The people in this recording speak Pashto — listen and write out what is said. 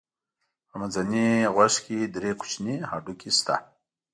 په منځني غوږ کې درې کوچني هډوکي شته.